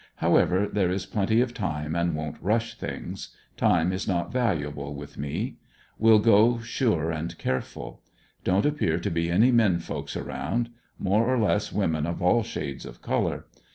However, there is plenty of time, and won't rush things. Time is not valuable with me. Will go sure and careful. Don't appear to be any men folks around ; more or less women of all shades of color.